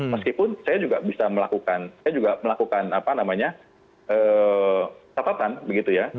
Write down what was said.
meskipun saya juga bisa melakukan saya juga melakukan apa namanya catatan begitu ya